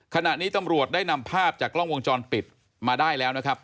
ขณะนี้ตำรวจได้นำภาพจากกล้องวงจรปิดมาได้แล้วนะครับ